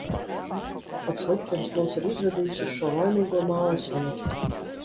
Pats liktenis mūs ir izvadījis uz šo laimīgo mājas vietu.